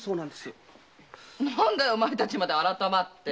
何だいお前たちまで改まって。